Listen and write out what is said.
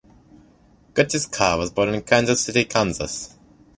Curtis Carr was born in Kansas City, Kansas.